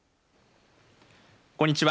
こんにちは。